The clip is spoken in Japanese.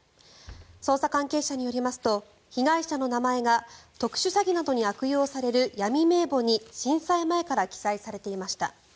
捜査関係者によりますと被害者の名前が特殊詐欺などに悪用される闇名簿に震災前から記載されていました。